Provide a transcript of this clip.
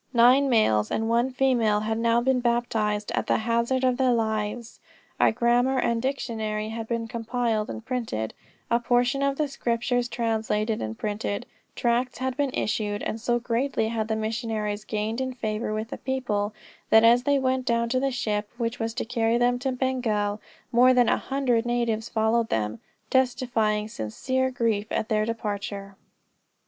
Nine males and one female had now been baptized at the hazard of their lives; a grammar and dictionary had been compiled and printed; a portion of the Scriptures translated and printed; tracts had been issued; and so greatly had the missionaries gained in favor with the people, that as they went down to the ship which was to carry them to Bengal, more than a hundred natives followed them, testifying sincere grief at their departure.